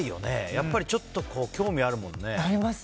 やっぱりちょっと興味あるもんね。